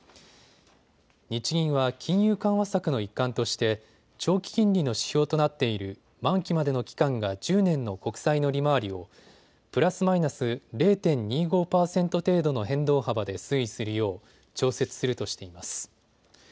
日銀は金融緩和策の一環として長期金利の指標となっている満期までの期間が１０年の国債の利回りをプラスマイナス０．２５％程度の変動幅で推移するよう調節するとしています。